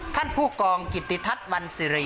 ท่านผู้กรองกิติธรรพ์วันซิริ